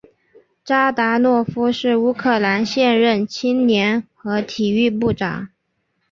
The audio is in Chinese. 扎达诺夫是乌克兰现任青年和体育部长。